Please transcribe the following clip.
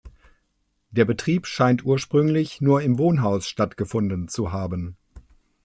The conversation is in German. Der Betrieb scheint ursprünglich nur im Wohnhaus stattgefunden zu haben.